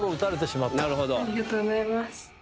ありがとうございます。